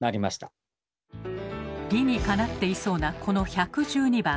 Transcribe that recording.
理にかなっていそうなこの１１２番。